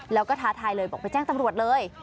แล้วก็ท้าทายเลยบอกไปแจ้งตำรวจเลย